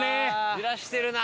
焦らしてるなあ！